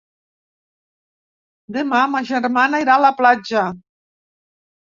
Demà ma germana irà a la platja.